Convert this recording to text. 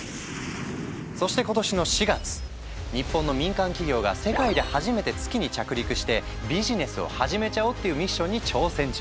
そして今年の４月日本の民間企業が世界で初めて月に着陸してビジネスを始めちゃおうっていうミッションに挑戦中。